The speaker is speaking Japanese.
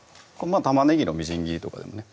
たまねぎのみじん切りとかでもね